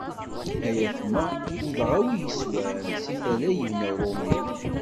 Ay atma ffudeɣ a wi yeswan si tala yebna Uṛumi.